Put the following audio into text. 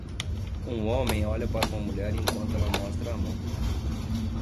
Um homem olha para uma mulher enquanto ela mostra a mão.